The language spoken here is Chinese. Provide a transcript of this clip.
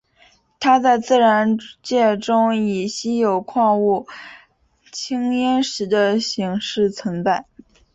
它在自然界中以稀有矿物羟铟石的形式存在。